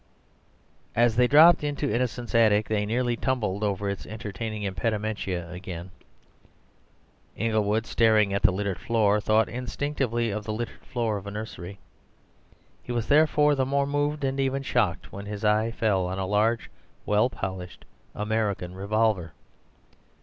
As they dropped into Innocent's attic they nearly tumbled over its entertaining impedimenta again. Inglewood, staring at the littered floor, thought instinctively of the littered floor of a nursery. He was therefore the more moved, and even shocked, when his eye fell on a large well polished American revolver.